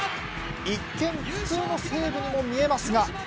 一見、普通のセーブにも見えますが。